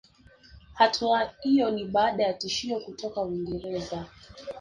Hatua iyo ni baada ya tishio kutoka Uingereza